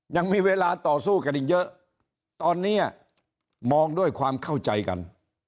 ยังมีเวลาต่อสู้กันอีกเยอะตอนนี้มองด้วยความเข้าใจกัน